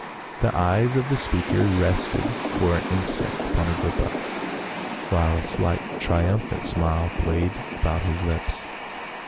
The eyes of the speaker rested for an instant upon Agrippa, while a slight triumphant smile played about his lips.